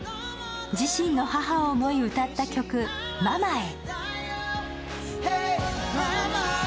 自身の母を思い歌った曲「ママへ」。